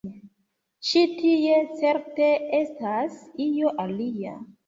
Ĉi tie, certe, estas io alia.